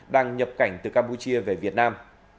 đang nhập cảnh từ campuchia về việt nam